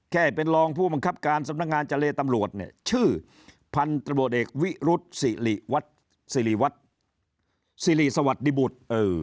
แค่เป็นลองผู้บังคับการสำนักงานเจลตำรวจชื่อพันธบทเอกวิรุษศิรีสวัสดิบุตร